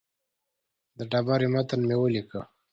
د ډبرې متن مې ولیکه.